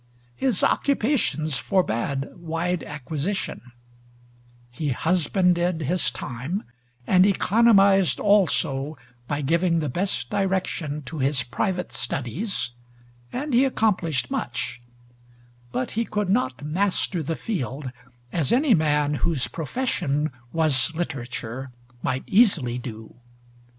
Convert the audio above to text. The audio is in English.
His occupations forbade wide acquisition; he husbanded his time, and economized also by giving the best direction to his private studies, and he accomplished much; but he could not master the field as any man whose profession was literature might easily do.